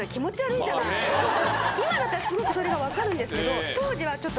今だったらすごくそれが分かるんですけど。